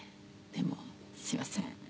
でも「すいません。